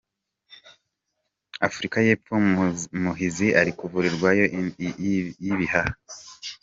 Afurika y’epfo muhizi ari kuvurwa indwara y’ibihaha